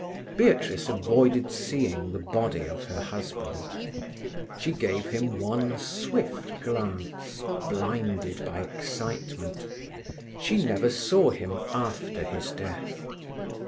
Beatrice avoided seeing the body of her husband; she gave him one swift glance, blinded by excitement; she never saw him after his death.